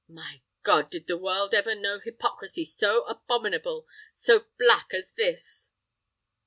My God! did the world ever know hypocrisy so abominable—so black as this?"